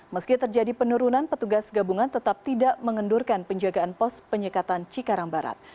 meski terjadi penurunan petugas gabungan tetap tidak mengendurkan penjagaan pos penyekatan cikarang barat